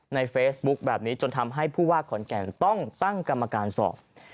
ในเฟซบุ๊คแบบนี้จนทำให้ผู้ว่าขอนแก่นต้องตั้งกรรมการสอบ